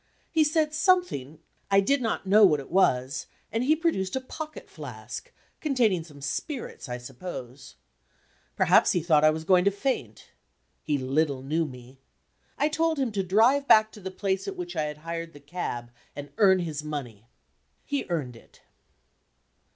He said something, I did not know what it was; and he produced a pocket flask, containing some spirits, I suppose. Perhaps he thought I was going to faint. He little knew me. I told him to drive back to the place at which I had hired the cab, and earn his money. He earned it.